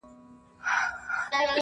وسړیه دا پنځه کسان ددې سیمې